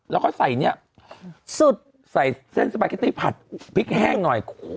แล้วก็ใส่เนี่ยสุดใส่เส้นสปาเกตตี้ผัดพริกแห้งหน่อย